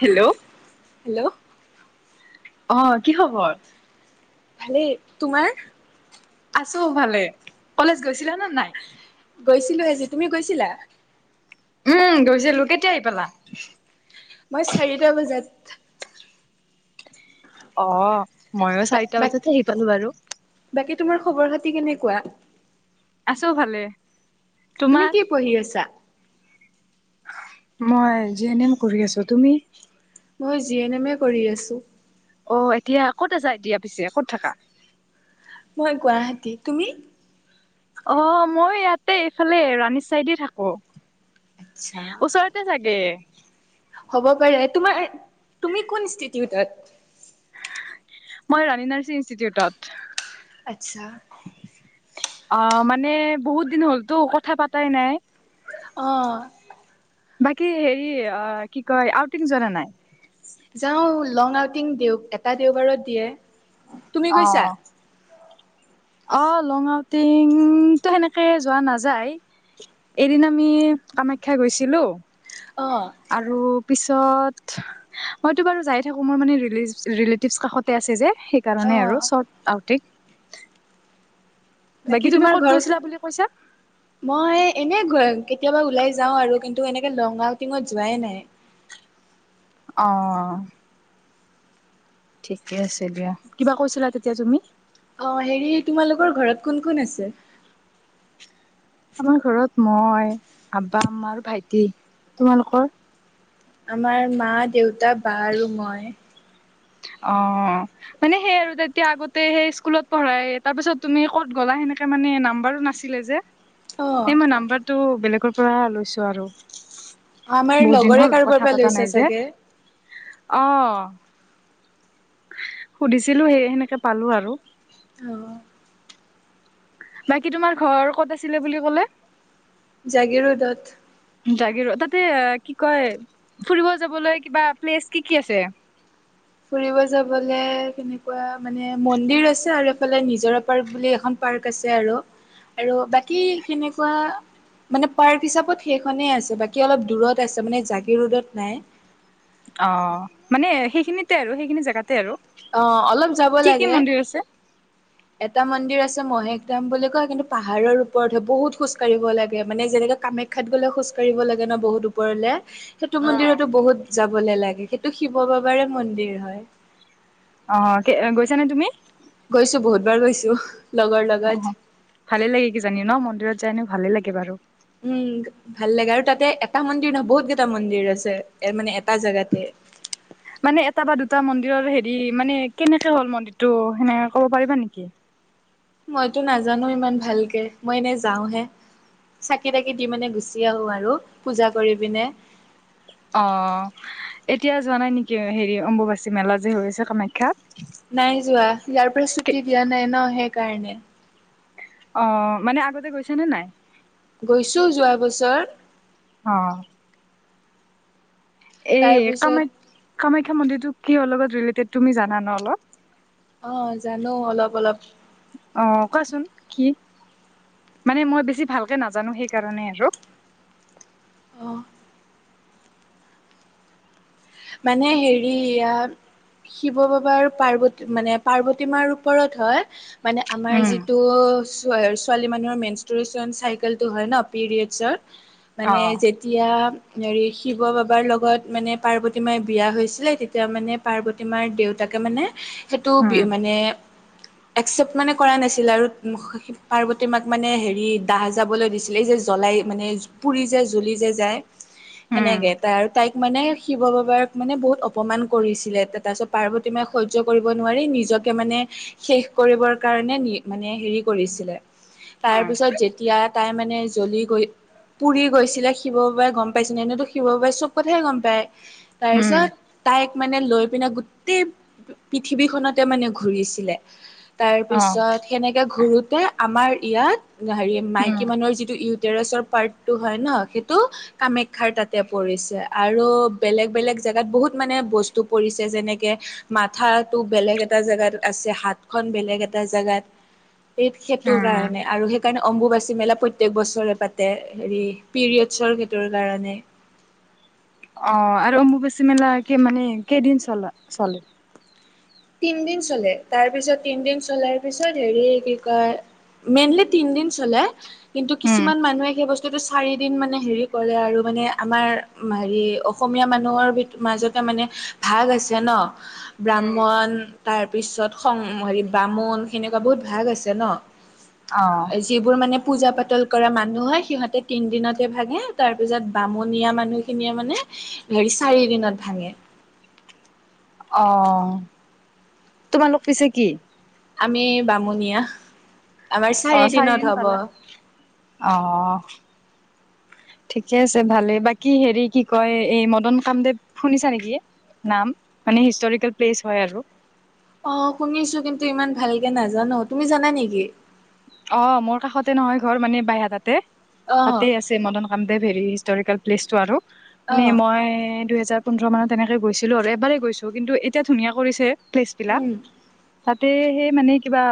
Hello hello অ' কি খবৰ? ভালেই তোমাৰ? আছো ভালে, কলেজ গৈছি গৈছিলোঁ আজি, তুমি গৈছিলা? উম গৈছিলো কেতিয়া আহি পেলা মই চাৰিটা বজাত। অ 'মইয়ো বা চাৰিটা বা বজাত আহি পালো বাৰু বাকী তোমাৰ খবৰ খাতি কেনেকুৱা আছো ভালে। তুমি তোমাৰ কি পঢ়ি আছা? মই জি এন এম কৰি আছো, তুমি? মই জি এন এম এ কৰি আছোঁ অ, এতিয়া ক'ত আছা এতিয়া পিছে ক'ত থাকা। মই গুৱাহাটী তুমি অ, মই ইয়াতে এইফালে ৰাণী চাইডে থাকো। আচ্ছা ওচৰতে চাগে। হ'ব পাৰে। তোমাৰ তুমি কোন ইনষ্টিউটত? মই ৰাণী নাৰ্ছিং ইনষ্টিটিউটত আচ্ছা, অ, মানে বহুত দিন হলতো কথা পাতাই নাই। অ' বাকী হেৰি কি কয় আউটিং জনা নাই। যাওঁ লং আউটিং দেও এটা দেওবাৰত দিয়ে তুমি গৈছা। অ অ লং আউটিং টো সেনেকে যোৱা নাযায় এদিন আমি কামাখ্যা গৈছিলো অ আৰু। তাৰপিছত মইতো বাৰু যাই থাকো মোৰ মানে ৰিলেটিভ ৰিলেটিভছ কাষতে আছে যে। অ সেইকাৰণে আৰু চৰ্ট আউট বাকী তোমাৰ ঘৰ বুলি কৈছা? মই এনেই গ কেতিয়াবা ওলাই যাওঁ আৰু কিন্তু এনেকে লং আউটিঙত যোৱাই নাই অ', ঠিকে আছে দিয়া কিবা কৈছিলা তেতিয়া তুমি। অ' হেৰি তোমালোকৰ ঘৰত কোন কোন আছে আমাৰ ঘৰত মই, আবা, আমা আৰু ভাইটি। তোমালোকৰ? আমাৰ মা দেউতা বা আৰু মই অ', মানে সেই আৰু তেতিয়া আগতে সেই স্কুলত পঢ়াই তাৰ পিছত তুমি ক'ত গ'লা সেনে হেণেকা মানে নাম্বাৰো নাছিলে যে অ এই মই নাম্বাৰটো বেলেগৰ পৰা লৈছো আৰু। আমাৰ বহুত দিন লগৰে হ'ল কাৰোবাৰ কথা পৰা পতা লৈছা নাই যে, চাগে অহ। সুধিছিলো সেয়ে সেনেকে পালো আৰু। অ' বাকী তোমাৰ ঘৰ ক'ত আছিলে বুলি ক'লে। জাগিৰোডত। জাগীৰোড তাতে কি কয় ফুৰিব যাবলৈ কিবা প্লেচ কি কি আছে? ফুৰিব যাবলে কেনেকুৱা মানে মন্দিৰ আছে আৰু এইফালে নিজৰা পাৰ্ক বুলি এখন পাৰ্ক আছে আৰু, আৰু বাকী সেনেকুৱা মানে পাৰ্ক হিচাপত সেইখনেই আছে বাকী অলপ দূৰত আছে মানে জাগিৰোডত নাই। অ', মানে সেইখিনিতে আৰু সেইখিনি জেগাতে আৰু। অ' অলপ যাব কি কি লাগে। মন্দিৰ আছে এটা মন্দিৰ আছে মহেক দাম বুলি কয় কিন্তু পাহাৰৰ ওপৰত হয় বহুত খোজ কাঢ়িব লাগে, মানে যেনেকে কামাখ্যাত গলে খোজ কাঢ়ি কাৰিব লাগে ন বহুত ওপৰলে সেইটো অ মন্দিৰতো বহুত যাবলে লাগে সেইটো শিৱ বাবাৰে মন্দিৰ হয়। অ' গৈছানে তুমি গৈছো বহুত বাৰ গৈছো লগৰ অ', লগত ভালে লাগে কি জানি ন, মন্দিৰত যাই এনেও ভালে লাগে বাৰু। উম, ভাল লাগে আৰু তাতে এটা মন্দিৰ নহয় বহুত কেইটা মন্দিৰ আছে এ মানে এটা জোগাতে [inaudible] মানে এটা বা দুটা মন্দিৰৰ হেৰি মানে কেনেকে হ'ল মন্দিৰটো সেনেকে ক'ব পাৰিবা নেকি। মইতো নাজানো ইমান ভালকে মই এনে যাও হে। চাকি তাকি দি মানে গুচি আহো আৰু পূজা কৰি পিনে। অ, এতিয়া যোৱা নাই নেকি হেৰি অম্বুবাচী মেলা যে হৈ আছে কামাখ্যা। নাই যোৱা ইয়াৰ পৰা ছুটি দিয়া নাই ন সেইকাৰণে। অ, মানে আগতে গৈছে নে নাই। গৈছো যোৱা বছৰ। অ', এই কামা তাৰপিছত কামাখ্যা মন্দিৰটো কি লগত ৰিলেটেড তুমি জানা ন অলপ অ, জানো অলপ - অলপ। অ, কোৱাচোন কি? মানে মই বেছি ভালকে নাজানো সেইকাৰণে আৰু। অ মানে হেৰিয়া শিৱ বাবাৰ পাৰ্বত মানে পাৰ্বতীমাৰ ওপৰত হয় মানে আমাৰ উম যিটো ছোৱালী মানুহৰ মেইন ষ্টৰেচন চাইকেল টো হয় ন পিৰিয়ডছৰ অ মানে যেতিয়া হৰি শিৱ বাবাৰ লগত মানে পাৰ্বত মাই বিয়া হৈছিলে তেতিয়া মানে পাৰ্বতী মাৰ দেউতাকে মানে সেইটো বি উম মানে একচেপট মানে কৰা নাছিলে আৰুি পাৰ্বতী মাক মানে হেৰি দাহ যাবলৈ দিছিলে এই যে লায় মানে পুৰি যে জ্বলি যে যায় উম সেনেকে তাইক মানে শিৱ বাবা মানে বহুত অপমান কৰিছিলে তাৰ পিছত পাৰ্বতী মে সয্য কৰিব নোৱাৰি নিজকে মানে শেষ কৰিবৰ কাৰণে মানে হেৰি কৰিছিলে তাৰ পিছত যেতিয়া তাই মানে মানে জ্বলি গৈ পুৰি গৈছিলে শিৱ বাবাই গম পাইছিল এনেতো শিৱ বাবাই চব কথাইে গম পায়। উম উম তাৰপিছত তাইক মানে লৈ পিনে গোটেই পৃথিৱীখনতে মানে ঘূৰিছিলে। অ তাৰপিছত সেনেকে ঘূৰোতে আমাৰ ইয়াত হেৰি উম মাইকী মানুহৰ যিটো ইউটৰাছৰ পাৰ্টটো হয় ন সেইটো কামাখ্যাৰ তাত ত পৰিছে আৰু বেলেগ বেলেগ জেগাত বহুত মানে বস্তু পৰিছে যেনেকে মাথাটো বেলেগ এটা জেগাত আছে হাত হাত খন বেলেগ এটা জেগাত উ [inaudible] এই সেইটোৰ কাৰণে আৰু সেইকাৰণে অম্বুবাচী মেলা প্ৰত্যয়েক বছৰে পাতে হেৰি পিৰিয়ডছৰ সেইটোৰ কাৰণে। অ, আৰু অম্বুবাচী মেলা কি মানে কেইদিন চল- চলে তিনদিন চলে তাৰ পিছত তিনদিন চলাৰ পিছত হেৰি কি কয় মেইনলি তিন দিন চলে কিন্তু উম কিছুমান মানুহে সেই বস্তু চাৰিদিন মানে হেৰি কৰে আৰু মানে আমাৰ হেৰি অসমীয়া মানুহৰ মাজতে মানে ভাগ আছে ন উম ব্ৰাহ্মণ তাৰ পিছত হেৰি বামুণ সেনেকুৱা বহুত ভাগ আছে ন। অ যিবোৰ মানে পূজা পাতল কৰা মানুহ হয় সিহতে তিন দিনতে ভাগে তাৰ পিছত বামুণীয়া মানুহখিনিয়ে মানে ধৰি চাৰি দিনত ভাঙে। অ, তোমালোক পিছে কি? আমি বামুণীয়া। আমাৰ অ, চাৰি দিনত চাৰিদিন পালা হ'ব অ, ঠিকে আছে ভালেই বাকী হেৰি কি কয় এই মদন কামদেৱ শুনিছা নেকি। নাম মানে হিষ্টৰিকেল প্লেচ হয় আৰু। অ', শুনিছোঁ কিন্তু ইমান ভালকে নাজানো, তুমি জানা নেকি? অ', মোৰ কাষতে নহয় ঘৰ মানে বাইহাটাতে। অ', তাতে আছে মদন কামদেৱ হেৰি হিষ্ট'ৰিকেল প্লেচটো আৰু মানে অ', মই দুহেজাৰ পোন্ধৰ মানত তেনেকে গৈছিলোঁ আৰু এবাৰেই গৈছোঁ কিন্তু এতিয়া ধুনীয়া কৰিছে প্লেচবিলাক। উম, তাতে সেই মানে কিবা,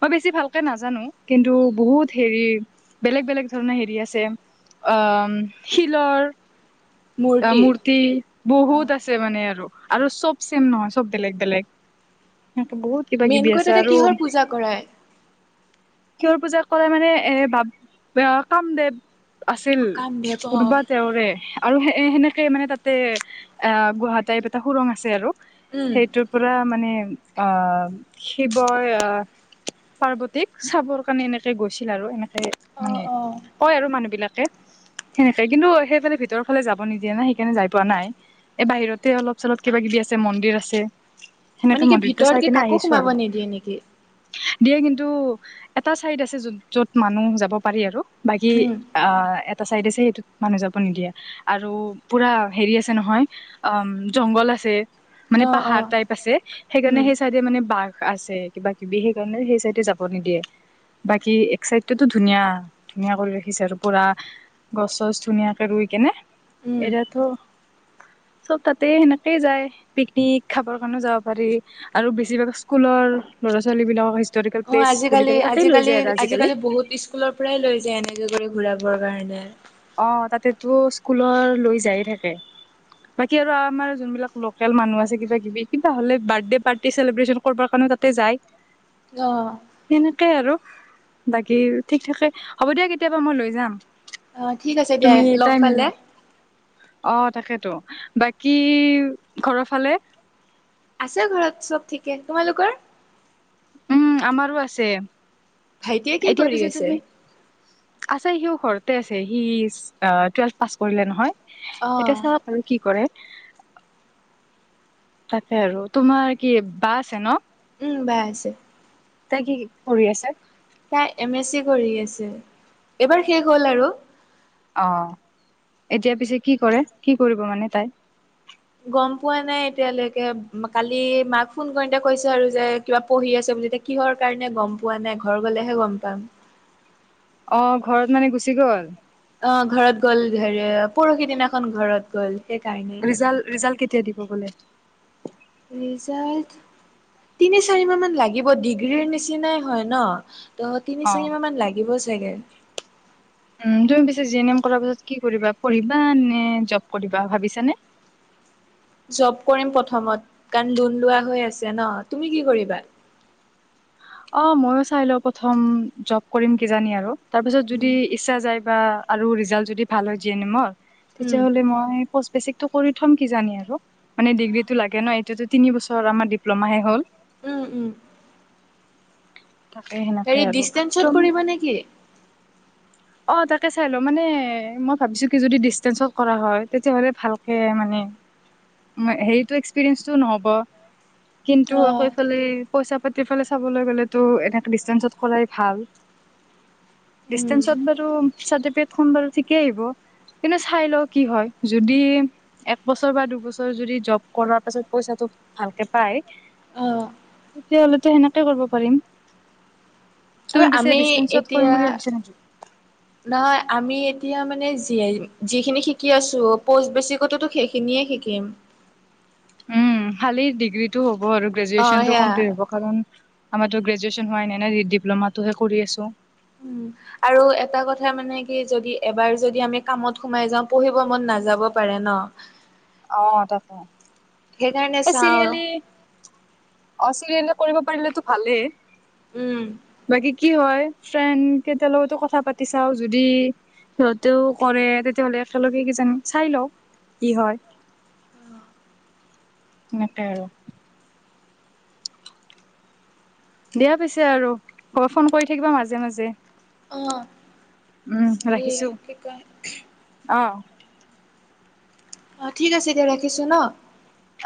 মই বেছি ভালকে নাজ জানো কিন্তু বহুত হেৰি বেলেগ বেলেগ ধৰণৰ হেৰি আছে। অ'ম শিলৰ অ', মূৰ্তি অ', বহুত আছে মানে আৰু। আৰু চব চেম নহয়, চব বেলেগ বেলেগ। উহ, বহুত কিবা কিবি মেইনকৈ আছে তাতে আৰু কিহৰ পূজা কৰায়? কিহৰ পূজা কৰে মানে এ ভাব কামদেৱ আছিল অ', কামধেপ কোনোবা অ', তেওঁৰে আৰু সে সেনেকে মানে তাতে অ গুহাটাইপ এটা সুৰং আছে আৰু উম, সেইটোৰ পৰা মানে অহ, শিৱই অহ, পাৰ্বত তীক চাবৰ কাৰণে এনেকে গৈছিল আৰু এনেকে মানে অ', অ', কয় আৰু মানুহবিলাকে। সেনেকে কিন্তু সেইফালে ভিতৰফালে যাব নিদিয়ে না সেইকাৰণে যায় পোৱা নাই, এ বাহিৰতে অলপ চলপ কিবা-কিবি ছে মন্দিৰ আছে সেনেকে মানে কি মন্দিৰটো চাই ভিতৰতকে কিনে কাকো আহিছোঁ সোমাব আৰু। নিদিয়ে নেকি? দিয়ে কিন্তু এটা চাইড আছে য'ত য'ত মানুহ যাব পাৰি আৰু বাকী উম, অহ, এট এটা চাইড আছে সেইটোত মানুহ যাব নিদিয়ে, আৰু পুৰা হেৰি আছে নহয় অ', জংঘল আছে। মানে অ', পাহাৰ অ', টাইপ আছে সেইকাৰণে উম, সেই চাইডে মানে বাঘ আছে, কিবা-কিবি সেইকাৰণে সেই চাইডে যাব নিদিয়ে। বাকী এক চাইডটোতো ধুনীয়া ধুনীয়া কৰি ৰাখিছে আৰু পুৰা গছ চছ ধুনীয়াকে ৰুই কেনে। উম, এৰাটো। চব তাতেই সেনেকেই যায় পিকনিক খাবৰ কাৰণেও যাব পাৰি আৰু বেছিভাগ স্কুলৰ ল'ৰা-ছোৱালীবিলাকৰ হিষ্টৰী অ', আজিকালি আজিকালিৰ আজিকালি বহুত স্কুলৰ পৰাই লৈ যায় এনেকে গ'লে। ঘূৰাবৰ কাৰণে। অ', তাতেটো স্কুলৰ লৈ যায়ে থাকে। বাকী আৰু আমাৰ যোনবিলাক লোকেল মানুহ আছে কিবা কিবি কিবা হলে বাৰ্থডে পাৰ্টি চেলিব্ৰেচন কৰিব কাৰণে তাতে যায়, অ', সেনেকাই আৰু। বাকী ঠিক থাকে হ'ব দিয়া কেতিয়াবা মই লৈ যাম অ', ঠিক আছে দিয়া তুমি লগ এটাই মিল পালে অ', তাকেটো। বাকী ঘৰৰ ফালে আছে ঘৰত চব ঠিকে, তোমালোকৰ? উম আমাৰো আছে। ভাইটিয়ে কি এতিয়া কৰি পিছে আছে? তুমি আছে সিও ঘৰতে আছে, সি অ', টুৱেলভ পাছ কৰিলে নহয়। এতিয়া অ', চাওঁ [unintelligible] আৰু কি কৰে। তাকে আৰু তোমাৰ কি বা আছে ন'? উম, বা আছে। তাই কি কৰি আছে? তাই এম এছ চি কৰি আছে, এইবাৰ শেষ হ'ল আৰু। অ', এতিয়া পিছে কি কৰে? কি কৰিব মানে তাই? গম পোৱা নাই এতিয়ালৈকে, কালি মাক ফোন কৰোঁতে কৈছে আৰু যে কিবা পঢ়ি আছে বু তেতিয়া কিহৰ কাৰণে গম পোৱা নাই? ঘৰ গ'লেহে গম পাম। অ', ঘৰত মানে গুচি গ'ল। অ ঘৰত গ'ল হেৰি পৰহি দিনাখন ঘৰত গ'ল সেইকাৰণে ৰিজাল্ট, ৰিজাল্ট কেতিয়া দিব বোলে? ৰিজাল্ট। তিনি চাৰি মাহ মান লাগিব ডিগ্ৰীৰ নিচিনাই হয় ন'। ত তিনি অ চাৰি মাহ মান লাগিব চাগে উ তুমি পিছে জি এন এম কৰ পিছত কি কৰিবা পঢ়িবা নে জব কৰিবা ভাবিছানে [inaudible] জব কৰিম প্ৰথমত কাৰণ লোন লোৱা হৈ আছে ন তুমি কি কৰিবা অ মইো চাই লওঁ প্ৰথম জব কৰিম কিজানি আৰু তাৰ পিছত যদি উম ইচ্ছা যায় [inaudible] উম টো কৰি থম কি জানি আৰু মানে ডিগ্ৰীতটো লাগে ন এইটো তিনি বছৰ আমাৰ ডিপ্লমাহে হ'ল উম উম তাকে সেনেকে হেৰি আৰু ডিচষ্টেঞ্চত তুম কৰিবা নেকি অ তাকে চাই ল মানে মই ভাবিছো কি যদি ডিচেঞ্চত কৰা হয় তেতিয়াহ'লে ভালকে মানে হেৰিত এক্সপিৰিয়েঞ্চটো নহব কিন্তু অ'। আকৌফালে পইচা পাতি ফালে চাবলৈ গলেতো এনে ডিচেঞ্চত কৰাই ভাল ডিটেন উম, ত বাৰ চজ প সম বাৰু ঠিকে আহিব কিন্তু চাই লও কি হয় যদি একবছৰ বা দুবছৰ প ভাল অ', সেনেকে কৰিব পাৰিম আৰু তুমি পিছে আমি ডিচটেন্সত কৰিম এতিয়া বুলি ভাবিছা নেকি? নহয় আমি এ মানে যিখিনি শিকি আছো প বেচিকতো সেইখিনিয়ে শিকিম উম খালি ডিগ্ৰীটো হ'ব আৰু অ', গ্ৰেজুৱেচনটো সেয়া কমপ্লিট হব কাৰণ আমাৰতো গ্ৰেজুৱেশচন হোৱাই নাই নাই ডিপ্ল'মাটোহে কৰি আছোঁ উম। আৰু এটা কথা মানে কি যদি এবাৰ যদি আমি কামত সোমাই যাও পঢ়িব মন নাযাব পাৰে তেন অ তাৰ সেইকাৰণে চাওঁ চিৰিয়েলি অ চিৰিয়েল কৰিব পাৰিলেতো ভালেই উম। বাকী কি হয় ফ্ৰেণ্ড কেইটাৰ লগতো কথা পাতি চাও যদি সিহঁতেও কৰে তেতিয়াহলে একেলগে কিজানি চাই লওক কি হয় নক আৰুো দিয়া পিছে আৰু ক'বাত ফোন কৰি থাকিবা মাজে মাজে অ', উম হেৰি ৰাখিছো কি কয় আহ অ ঠিক আছে দিয় ৰাখিছো ন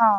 আহ